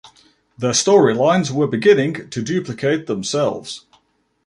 The storylines were beginning to duplicate themselves.